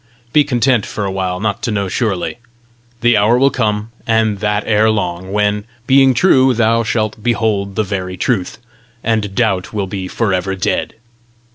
Be content for a while not to know surely. The hour will come, and that ere long, when, being true, thou shalt behold the very truth, and doubt will be for ever dead.